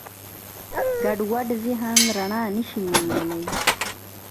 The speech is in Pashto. ګډوډ ذهن رڼا نهشي موندلی.